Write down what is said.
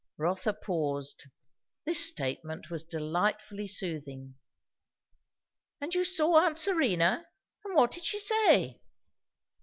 Rotha paused. This statement was delightfully soothing. "And you saw aunt Serena? And what did she say?"